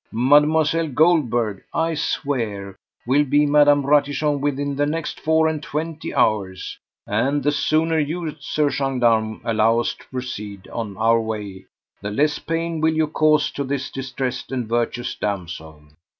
Mademoiselle Goldberg, I swear, will be Madame Ratichon within the next four and twenty hours. And the sooner you, Sir Gendarme, allow us to proceed on our way the less pain will you cause to this distressed and virtuous damsel."